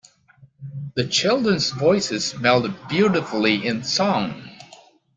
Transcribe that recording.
The children’s voices melded beautifully in song.